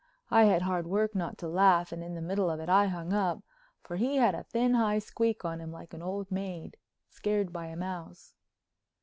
I had hard work not to laugh and in the middle of it I hung up, for he had a thin, high squeak on him like an old maid scared by a mouse.